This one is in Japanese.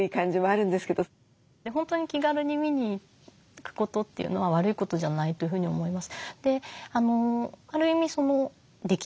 本当に気軽に見に行くことっていうのは悪いことじゃないというふうに思います。